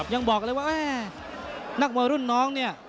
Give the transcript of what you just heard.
ยังบอกเลยว่าแม่นักมวยรุ่นน้องเนี่ย